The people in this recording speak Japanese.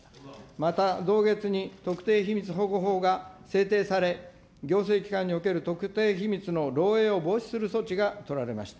また、同月に特定秘密保護法が制定され、行政機関における特定秘密の漏えいを防止する措置が取られました。